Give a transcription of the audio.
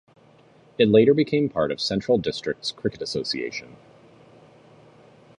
It later became part of Central Districts Cricket Association.